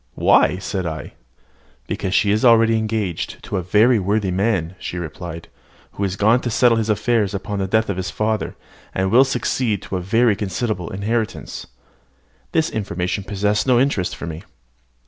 "Why?" said I. "Because she is already engaged to a very worthy man," she replied, "who is gone to settle his affairs upon the death of his father, and will succeed to a very considerable inheritance." This information possessed no interest for me.